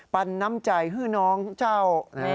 ปันน้ำใจคือน้องเจ้า